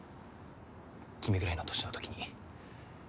君ぐらいの年のときに。